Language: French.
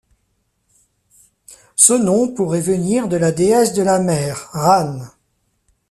Ce nom pourrait venir de la déesse de la mer, Rán.